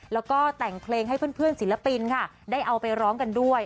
แล้วก็แต่งเพลงให้เพื่อนศิลปินค่ะได้เอาไปร้องกันด้วย